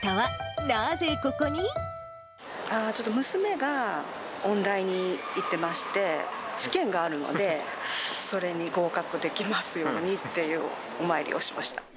ちょっと娘が音大に行ってまして、試験があるので、それに合格できますようにっていうお参りをしました。